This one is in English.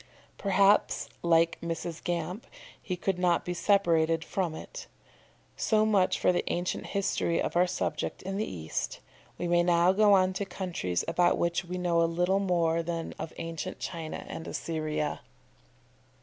Perhaps like Mrs. Gamp he could not be separated from it. So much for the ancient history of our subject in the East. We may now go on to countries about which we know a little more than of ancient China and Assyria.